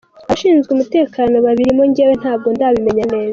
Abashinzwe umutekano babirimo njyewe ntabwo ndabimenya neza”.